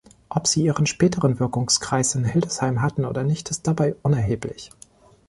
Ob sie ihren späteren Wirkungskreis in Hildesheim hatten oder nicht, ist dabei unerheblich.